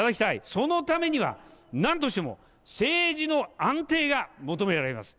そのためには、なんとしても、政治の安定が求められます。